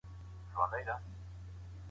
د زده کوونکو د خطاطۍ د ودې لپاره ټولګي نه وو.